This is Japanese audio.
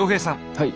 はい。